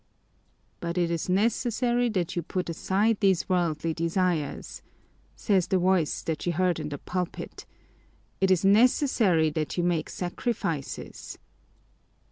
"But it is necessary that you put aside these worldly desires," says the voice that she heard in the pulpit, "it is necessary that you make sacrifices."